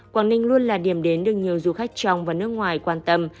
quảng ninh luôn là điểm đến được nhiều du khách trong và nước ngoài quan tâm